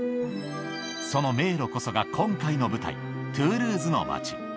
その迷路こそが、今回の舞台、トゥールーズの町。